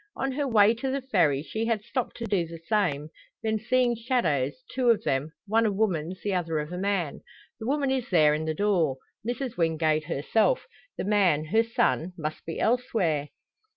On her way to the Ferry she had stopped to do the same; then seeing shadows two of them one a woman's, the other of a man. The woman is there in the door Mrs Wingate herself; the man, her son, must be elsewhere.